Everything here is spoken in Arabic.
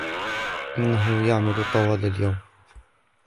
إنه يعمل طوال اليوم